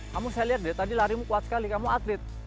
kamu saya lihat deh tadi larimu kuat sekali kamu atlet